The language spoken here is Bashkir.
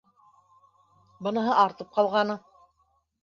Быныһы - артып ҡалғаны.